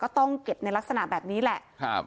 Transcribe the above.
ต้องเก็บในลักษณะแบบนี้แหละ